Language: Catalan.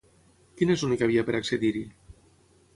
Quina és l'única via per accedir-hi?